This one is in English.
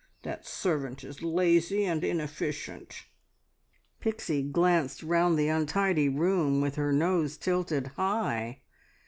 That servant is lazy and inefficient." Pixie glanced round the untidy room with her nose tilted high.